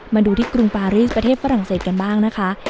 มาดูที่กรุงปารีสประเทศฝรั่งเศสกันบ้างนะคะ